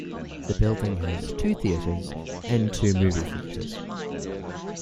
The building has two theaters and two movie theaters.